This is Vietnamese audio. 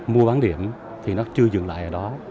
mua bán điểm thì nó chưa dừng lại ở đó